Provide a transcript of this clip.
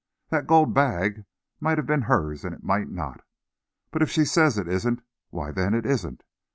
That gold bag might have been hers and it might not. But if she says it isn't, why, then it isn't!